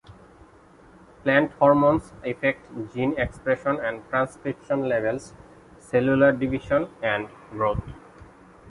Plant hormones affect gene expression and transcription levels, cellular division, and growth.